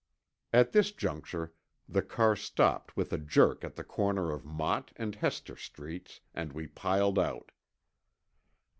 At this juncture the car stopped with a jerk at the corner of Mott and Hester streets, and we piled out.